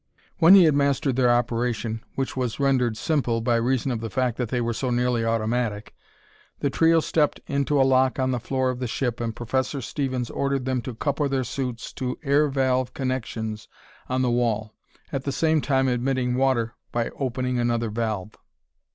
When he had mastered their operation, which was rendered simple by reason of the fact that they were so nearly automatic, the trio stepped into a lock on the floor of the ship and Professor Stevens ordered them to couple their suits to air valve connections on the wall, at the same time admitting water by opening another valve.